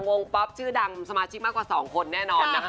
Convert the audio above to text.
งป๊อปชื่อดังสมาชิกมากกว่า๒คนแน่นอนนะคะ